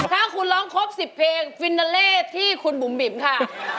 ถ้าคุณร้องครบ๑๐เพลงฟินาเล่ที่คุณบุ๋มบิ๋มค่ะ